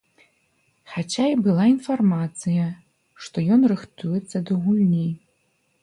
Хаця і была інфармацыя, што ён рыхтуецца да гульні.